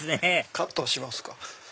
カットしますか？